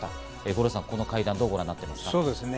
五郎さん、どうご覧になっていますか？